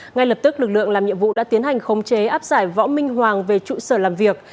ngay lập tức lực lượng làm nhiệm vụ đã tiến hành khống chế áp giải võ minh hoàng về trụ sở làm việc